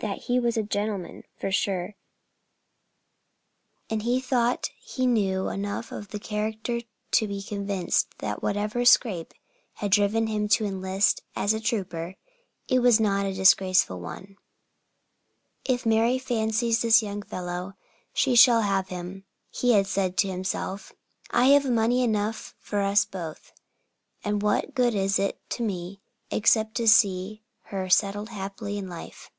That he was a gentleman he was sure, and he thought he knew enough of character to be convinced that whatever scrape had driven him to enlist as a trooper, it was not a disgraceful one. "If Mary fancies this young fellow, she shall have him," he had said to himself. "I have money enough for us both, and what good is it to me except to see her settled happily in life?"